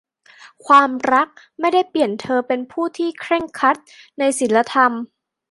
ความรักไม่ได้เปลี่ยนเธอเป็นผู้ที่เคร่งครัดในศีลธรรม